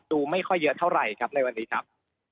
ดูไม่ค่อยเยอะเท่าไหร่ครับในวันนี้ครับ